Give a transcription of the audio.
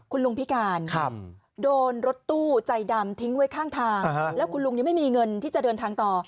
คุณลุงพิการโดนรถตู้ใจดำทิ้งไว้ข้างทางแล้วคุณลุงยังไม่มีเงินที่จะเดินทางต่อ